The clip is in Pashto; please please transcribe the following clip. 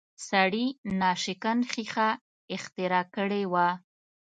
سړي ناشکن ښیښه اختراع کړې وه